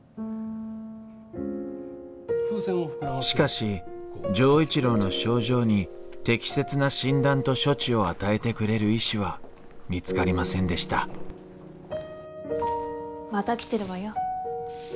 しかし錠一郎の症状に適切な診断と処置を与えてくれる医師は見つかりませんでしたまた来てるわよ。